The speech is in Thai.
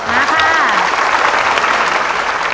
มาค่ะ